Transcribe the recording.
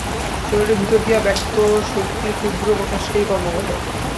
শরীরের ভিতর দিয়া ব্যক্ত শক্তির ক্ষুদ্র প্রকাশকেই কর্ম বলে।